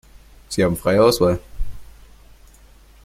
Sie haben freie Auswahl.